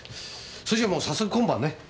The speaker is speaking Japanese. それじゃもう早速今晩ね。